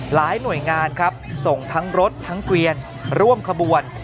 หลายหน่วยงานครับส่งทั้งรถทั้งเกวียนร่วมขบวน